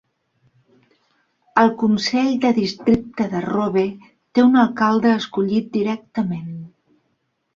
El Consell de Districte de Robe té un alcalde escollit directament.